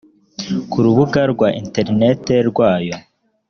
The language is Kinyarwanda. ku rubuga rwa interineti rwayo